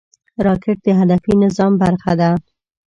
راکټ د هدفي نظام برخه ده